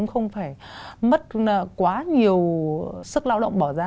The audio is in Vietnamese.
không phải mất quá nhiều sức lao động bỏ ra